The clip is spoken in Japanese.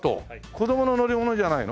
子供の乗り物じゃないの？